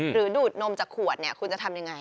หรือดูดนมจากขวดคุณจะทำอย่างไร